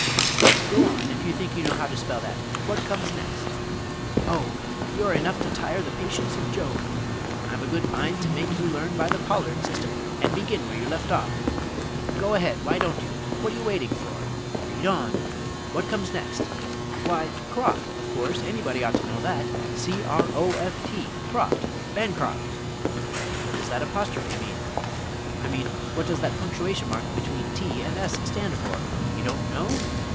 Now go on, if you think you know how to spell that! What comes next? Oh, you're enough to tire the patience of Job! I've a good mind to make you learn by the Pollard system, and begin where you leave off! Go ahead, why don't you? Whatta you waiting for? Read on! What comes next? Why, croft, of course; anybody ought to know that c r o f t, croft, Bancroft! What does that apostrophe mean? I mean, what does that punctuation mark between t and s stand for? You don't know?